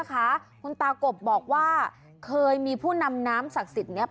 คุณตากบบอกว่าเคยมีผู้นำน้ำศักดิ์สิทธิ์นี้